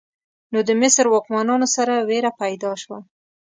نو د مصر واکمنانو سره ویره پیدا شوه.